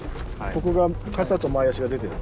ここが肩と前脚が出てる。